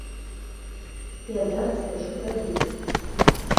Я зараз кажу пра візы.